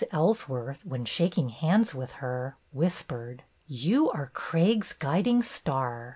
Ellsworth, when shaking hands with her, whispered, "You are Craig's guiding star